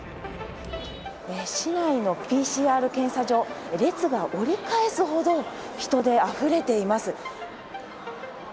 市内のＰＣＲ検査場、列が折り返すほど人であふれています。